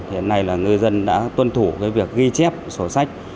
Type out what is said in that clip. thế này là ngư dân đã tuân thủ việc ghi chép sổ sách